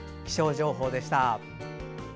気象情報でした。